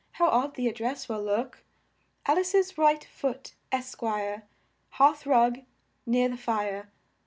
How odd the ad dress will look! AL ICE'S RIGHT FOOT, ESQ., Hearth rug, Near the Fire.